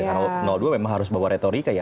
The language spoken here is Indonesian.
karena dua memang harus bawa retorika ya